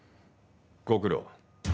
ご苦労。